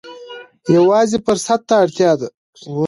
یوازې فرصت ته اړتیا ده.